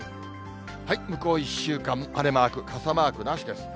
向こう１週間、晴れマーク、傘マークなしです。